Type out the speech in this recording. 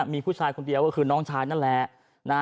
มีผู้ชายคนเดียวก็คือน้องชายนั่นแหละ